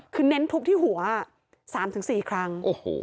คือเน้นทุบที่หัว๓๔ครั้ง